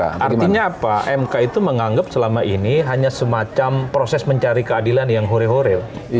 artinya apa mk itu menganggap selama ini hanya semacam proses mencari keadilan yang hore horil